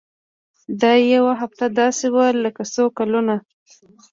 دا يوه هفته داسې وه لکه څو کلونه.